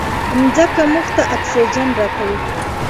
مځکه موږ ته اکسیجن راکوي.